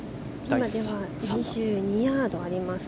今、２２ヤードあります。